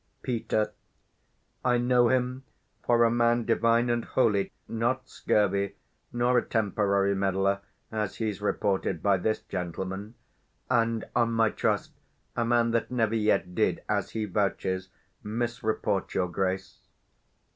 Fri. P. I know him for a man divine and holy; Not scurvy, nor a temporary meddler, As he's reported by this gentleman; And, on my trust, a man that never yet Did, as he vouches, misreport your Grace.